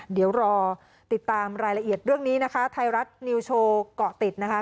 เดี๋ยวรอติดตามรายละเอียดเรื่องนี้นะคะไทยรัฐนิวโชว์เกาะติดนะคะ